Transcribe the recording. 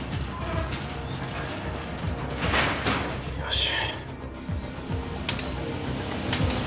よし。